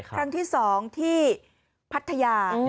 ครั้งที่๒ที่พัทยา